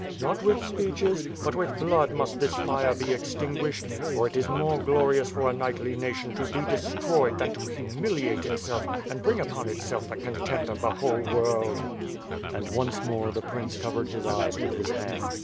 Not with speeches, but with blood must this fire be WtTH nnW AND SWORD. 351 extinguished; for it is more glorious for a knightly nation to be destroyed than to humiliate itself and bring upon itself the contempt of the whole world/* And once more the prince covered his eyes with his hand.